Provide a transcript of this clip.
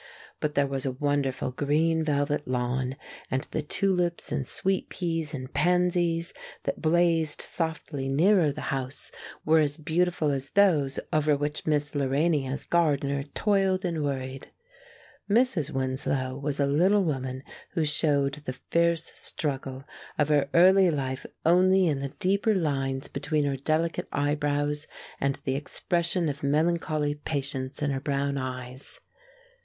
But there was a wonderful green velvet lawn, and the tulips and sweet peas and pansies that blazed softly nearer the house were as beautiful as those over which Miss Lorania's gardener toiled and worried. Mrs. Winslow was a little woman who showed the fierce struggle of her early life only in the deeper lines between her delicate eyebrows and the expression of melancholy patience in her brown eyes.